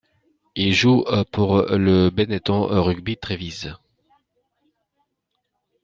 Il joue pour le Benetton Rugby Trévise.